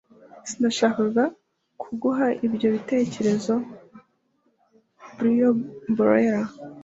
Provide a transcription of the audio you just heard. sinashakaga kuguha ibyo bitekerezo. (brauliobezerra